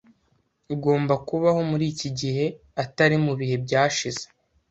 Ugomba kubaho muri iki gihe, atari mu bihe byashize.